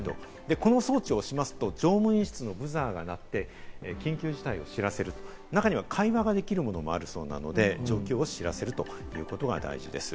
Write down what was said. この装置を押しますと、乗務員室のブザーが鳴って緊急事態を知らせる、中には会話ができるものもあるそうなので、状況を知らせるということが大事です。